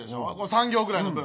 ３行ぐらいの文。